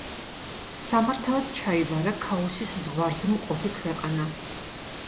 სამართავად ჩაიბარა ქაოსის ზღვარზე მყოფი ქვეყანა.